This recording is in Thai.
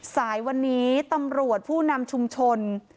สายวันนี้ตำรวจผู้นำชุมชน